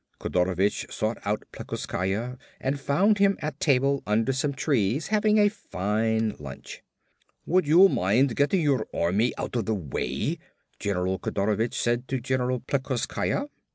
Kodorovich sought out Plekoskaya and found him at table under some trees having a fine lunch. "Would you mind getting your army out of the way," General Kodorovich said to General Plekoskaya.